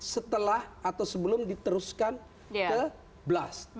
setelah atau sebelum diteruskan ke blast